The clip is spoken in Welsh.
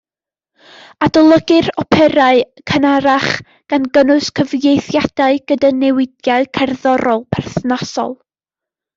Adolygir operâu cynharach, gan gynnwys cyfieithiadau gyda newidiadau cerddorol perthnasol.